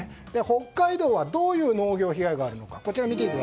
北海道はどういう農業被害があるのか。